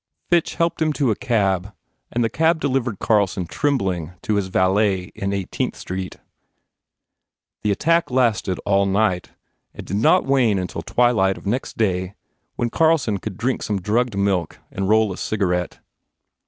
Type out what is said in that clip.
Fitch helped him to a cab 14 A PERSONAGE and the cab dehvered Carlson trembling to his valet in i8th Street. The attack lasted all night and did not wane until twilight of next day when Carlson could drink some drugged milk and roll a cigarette.